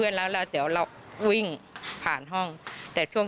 เธอขนลุกเลยนะคะเสียงอะไรอีกเสียงอะไรบางอย่างกับเธอแน่นอนค่ะ